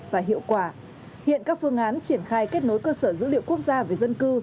và hiệu quả hiện các phương án triển khai kết nối cơ sở dữ liệu quốc gia về dân cư